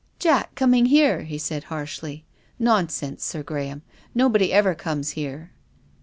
" Jack coming here !" he said harshly. " Non sense, Sir Graham. Nobody ever comes here."